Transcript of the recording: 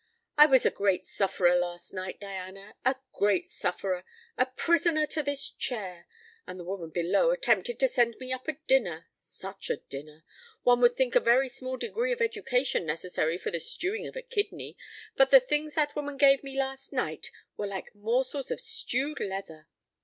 "I was a great sufferer last night, Diana, a great sufferer, a prisoner to this chair, and the woman below attempted to send me up a dinner such a dinner! One would think a very small degree of education necessary for the stewing of a kidney, but the things that woman gave me last night were like morsels of stewed leather.